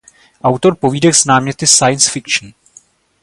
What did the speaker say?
Autor povídek s náměty science fiction.